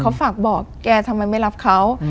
เขาฝากบอกแกทำไมไม่รับเขา